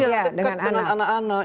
iya dengan anak anak